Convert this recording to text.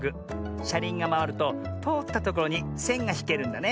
しゃりんがまわるととおったところにせんがひけるんだね。